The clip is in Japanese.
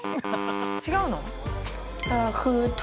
違うの？